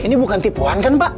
ini bukan tipuan kan pak